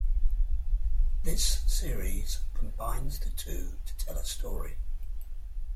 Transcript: This series combines the two to tell a story.